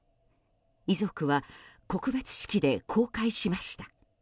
遺族は告別式で公開しました。